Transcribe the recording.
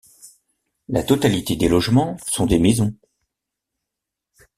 La totalité des logements sont des maisons.